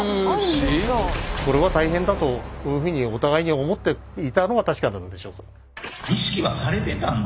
これは大変だというふうにお互いに思っていたのは確かなのでしょう。